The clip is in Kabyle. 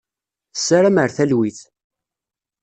Tessaram ar talwit.